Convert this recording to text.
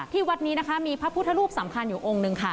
วัดนี้นะคะมีพระพุทธรูปสำคัญอยู่องค์หนึ่งค่ะ